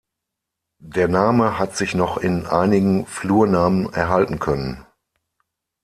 Der Name hat sich noch in einigen Flurnamen erhalten können.